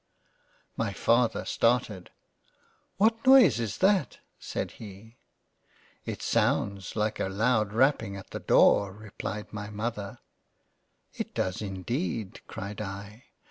My Father started —" What noise is that," (said he " It sounds like a loud rapping at the door "— (replied m Mother.) "it does indeed." (cried I.)